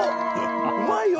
うまいよ